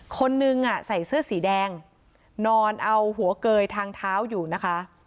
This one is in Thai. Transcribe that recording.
คนนึงใส่เสื้อสีแดงนอนเอาหัวเกยทางเท้าอยู่นะคะ